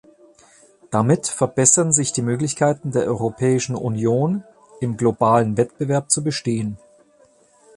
Damit verbessern sich die Möglichkeiten der Europäischen Union, im globalen Wettbewerb zu bestehen.